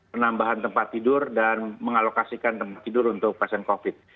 penambahan tempat tidur dan mengalokasikan tempat tidur untuk pasien covid